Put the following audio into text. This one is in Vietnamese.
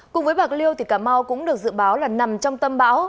cùng với bạc liêu thì cà mau cũng được dự báo là nằm trong tâm bão